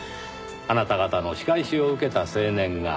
あなた方の仕返しを受けた青年が。